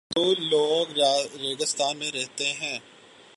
بدو لوگ ریگستان میں رہتے ہیں۔